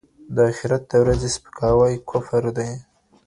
د آخرت د ورځي سپکاوی کفر دی.